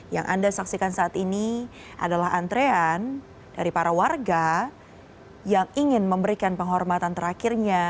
yang anda saksikan saat ini adalah antrean dari para warga yang ingin memberikan penghormatan terakhirnya